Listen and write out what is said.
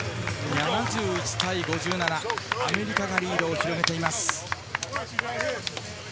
７１対５７、アメリカがリードを広げています。